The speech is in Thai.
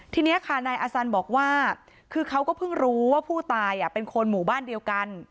ทีนี้ค่ะนายอสันบอกว่าคือเขาก็เพิ่งรู้ว่าผู้ตายเป็นคนหมู่บ้านเดียวกัน